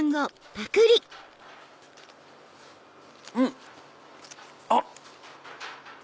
うん！あっ！